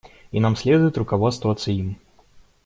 И нам следует руководствоваться им.